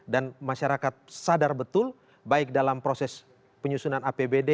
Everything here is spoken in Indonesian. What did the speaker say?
dan masyarakat sadar betul baik dalam proses penyusunan apbd